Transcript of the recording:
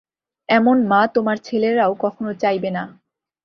এমন মা তোমার ছেলেরাও কখনো চাইবে না।